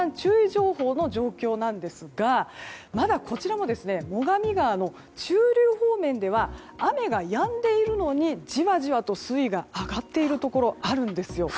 情報の状況なんですがまだこちらも最上川の中流方面では雨がやんでいるのにじわじわと水位が上がっているところがあるんですよ。